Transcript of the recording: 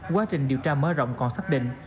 quá trình điều tra mơ rộng còn xác định